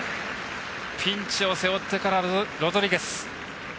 ピンチを背負ってからのロドリゲス。